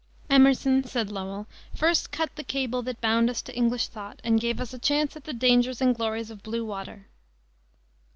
Emerson, said Lowell, first "cut the cable that bound us to English thought and gave us a chance at the dangers and glories of blue water."